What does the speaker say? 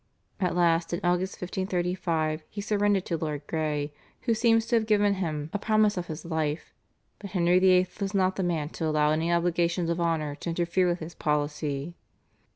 At last in August 1535 he surrendered to Lord Grey who seems to have given him a promise of his life, but Henry VIII. was not the man to allow any obligations of honour to interfere with his policy.